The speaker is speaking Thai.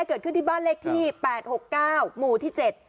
เกิดขึ้นที่บ้านเลขที่๘๖๙หมู่ที่๗